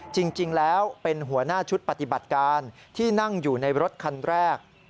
จริงแล้วเป็นหัวหน้าชุดปฏิบัติการที่นั่งอยู่ในรถคันแรก